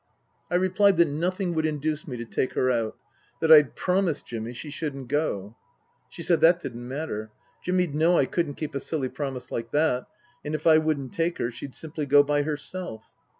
I replied that nothing would induce me to take her out, that I'd promised Jimmy she shouldn't go. She said that didn't matter. Jimmy'd know I couldn't keep a silly promise like that, and if I wouldn't take her she'd simply go by herself.